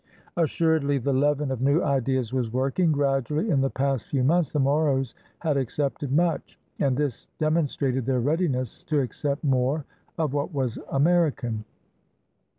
Assuredly the leaven of new ideas was working. Grad ually, in the past few months, the Moros had accepted much; and this demonstrated their readiness to accept more, of what was American.